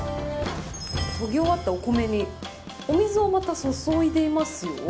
とぎ終わったお米にお水をまた注いでいますよ。